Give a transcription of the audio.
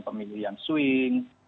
pemilih yang swing